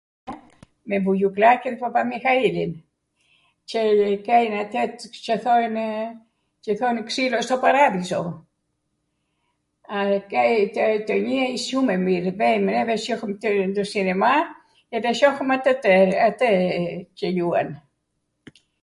Me Vujuklaqin e Papamihailin, Cw kejnw atw Cw thojnw, Ce thojnw Ksilo sto paradhiso. Tenie shum e mirw, vejmw neve shohwm nw sinema, edhe shohwmw atw qw luan.